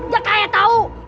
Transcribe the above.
dia kaya tahu